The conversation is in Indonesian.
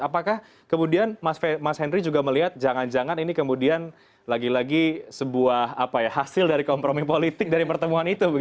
apakah kemudian mas henry juga melihat jangan jangan ini kemudian lagi lagi sebuah hasil dari kompromi politik dari pertemuan itu